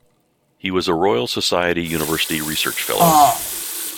He was a Royal Society University Research Fellow.